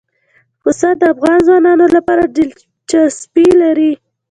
پسه د افغان ځوانانو لپاره دلچسپي لري.